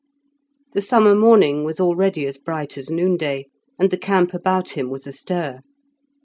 The summer morning was already as bright as noonday, and the camp about him was astir.